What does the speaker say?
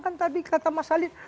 kan tadi kata mas salib